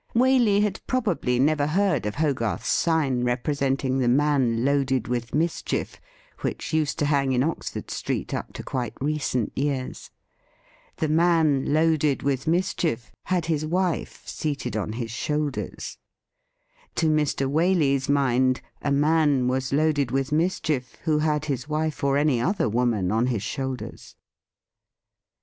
Waley had probably never heard of Hogarth's sign representing 'The Man loaded with Mischief,' which used to hang in Oxford Street up to quite recent years. The Man loaded with Mischief had his 238 THE RIDDLE RING wife seated on his shoulders. To Mr. Waley's mind, a man was loaded with mischief who had his wife or any other woman on his shoulders.